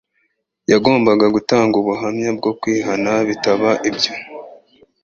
yagombaga gutanga ubuhamya bwo kwihana. Bitaba ibyo,